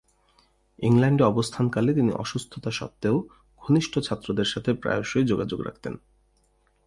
ইংল্যান্ডে অবস্থানকালে তিনি অসুস্থতা সত্ত্বেও, ঘনিষ্ঠ ছাত্রদের সাথে প্রায়শই যোগাযোগ রাখতেন।